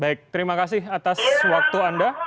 baik terima kasih atas waktu anda